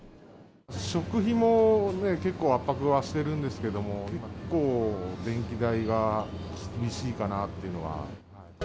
食費も結構、圧迫はしてるんですけども、結構、電気代が厳しいかなっていうのは。